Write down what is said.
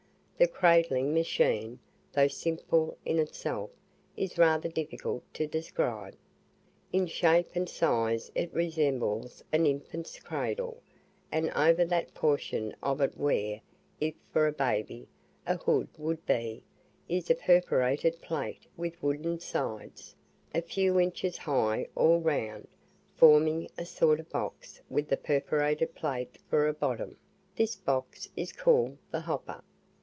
The cradling machine, though simple in itself, is rather difficult to describe. In shape and size it resembles an infant's cradle, and over that portion of it where, if for a baby, a hood would be, is a perforated plate with wooden sides, a few inches high all round, forming a sort of box with the perforated plate for a bottom; this box is called the hopper.